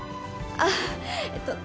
あっえっと